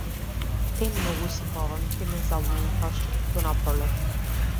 Те многу си бавен, ќе ме залулкаш до напролет!